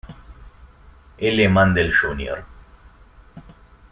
L. Mandel Jr.